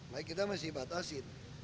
nah kita mesti batasin